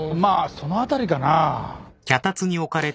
その辺りかなぁ。